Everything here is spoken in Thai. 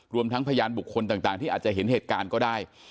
รวมทั้งพยานบุคคลต่างที่อาจจะเห็นเหตุการณ์ก็ได้